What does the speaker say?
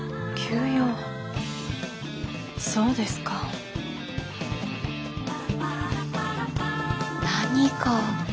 そうですか。何か？